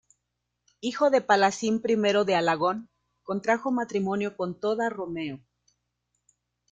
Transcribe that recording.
Hijo de Palacín I de Alagón, contrajo matrimonio con Toda Romeo.